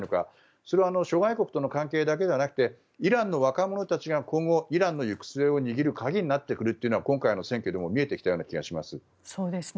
それは諸外国との関係だけではなくてイランの若者たちが今後、イランの行く末を握る鍵になってくるのが今回の選挙でも見えてきた気がします。